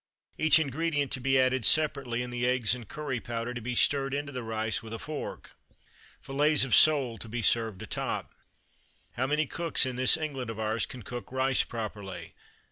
Each ingredient to be added separately, and the eggs and curry powder to be stirred into the rice with a fork. Fillets of sole to be served atop. How many cooks in this England of ours can cook rice properly?